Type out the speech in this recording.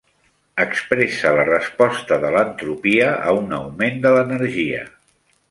Expressa la resposta de l'entropia a un augment de l'energia.